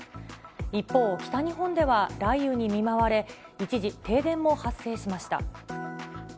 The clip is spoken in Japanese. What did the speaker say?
一方、北日本では雷雨に見舞われ、一時停電も発生しました。